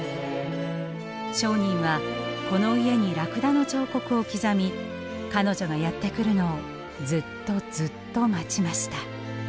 商人はこの家にラクダの彫刻を刻み彼女がやって来るのをずっとずっと待ちました。